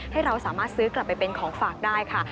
ให้เราสามารถซื้อกลับไปเป็นของฝากได้ค่ะ